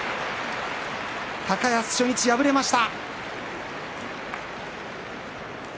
高安、初日敗れました。